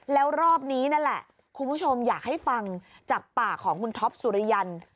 แล้วรอบนี้นั่นแหละคุณผู้ชมอยากให้ฟังจากปากของคุณท็อปสุริยัน